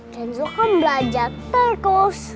kenzo kan belajar terkurs